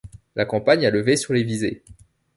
La campagne a levé sur les visés.